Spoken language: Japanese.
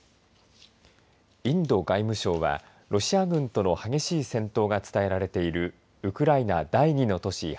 インド外務省はロシア軍との激しい戦闘が伝えられているウクライナ第２の都市